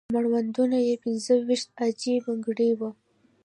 په مړوندونو یې پنځه ويشت عاجي بنګړي وو.